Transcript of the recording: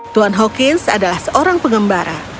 tuan hawkins adalah seorang pengembara